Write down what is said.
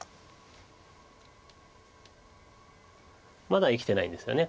まだ生きてないんですよね